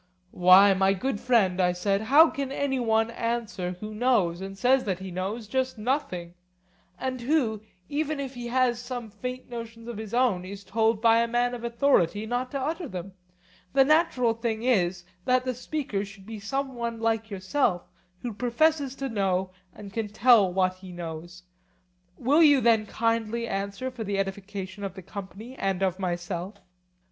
Why, my good friend, I said, how can any one answer who knows, and says that he knows, just nothing; and who, even if he has some faint notions of his own, is told by a man of authority not to utter them? The natural thing is, that the speaker should be some one like yourself who professes to know and can tell what he knows. Will you then kindly answer, for the edification of the company and of myself?